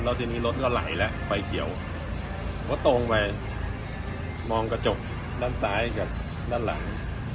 แล้วทีนี้รถก็ไหลแล้วไฟเขียวก็ตรงไปมองกระจกด้านซ้ายกับด้านหลัง